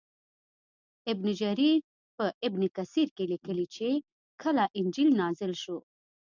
ابن جریر په ابن کثیر کې لیکلي چې کله انجیل نازل شو.